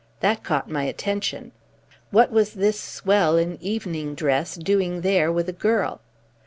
That caught my attention. What was this swell in evening dress doing there with a girl?